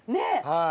はい。